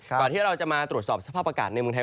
ที่เราจะมาตรวจสอบสภาพอากาศในเมืองไทย